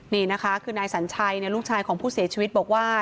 นี่นะคะคือนายสัญชัยลูกชายของผู้เสียชีวิตบอกว่า